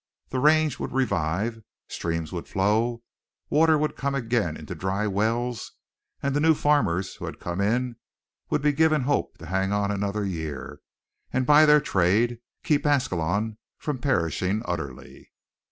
The range would revive, streams would flow, water would come again into dry wells, and the new farmers who had come in would be given hope to hang on another year and by their trade keep Ascalon from perishing utterly.